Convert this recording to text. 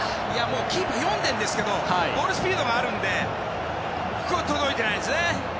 キーパー読んでるんですけどボールスピードがあるので届いてないですね。